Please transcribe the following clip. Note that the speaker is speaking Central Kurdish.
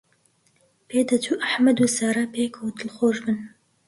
پێدەچوو ئەحمەد و سارا پێکەوە دڵخۆش بن.